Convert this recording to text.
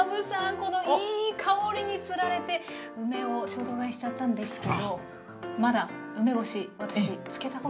このいい香りにつられて梅を衝動買いしちゃったんですけどまだ梅干し私漬けたことなくて。